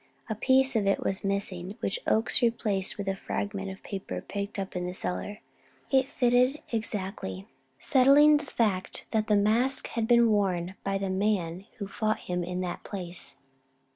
A piece of it was missing, which Oakes replaced with the fragment of paper picked up in the cellar; it fitted exactly, settling the fact that the mask had been worn by the man who fought him in that place.